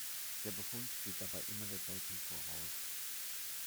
Der Befund geht dabei immer der Deutung voraus.